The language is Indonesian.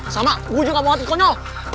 sama gue juga gak mau konyol